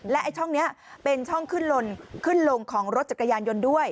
และช่องนี้เป็นช่องขึ้นลงของรถจักรยานยนต์ด้วย